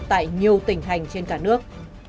tại nhiều tình hành trên cả nước